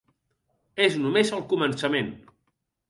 És només el començament.